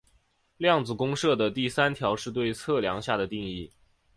量子公设的第三条是对测量下的定义。